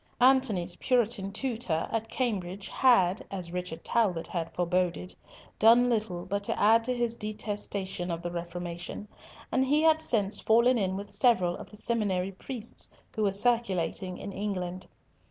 Antony's Puritan tutor at Cambridge had, as Richard Talbot had foreboded, done little but add to his detestation of the Reformation, and he had since fallen in with several of the seminary priests who were circulating in England.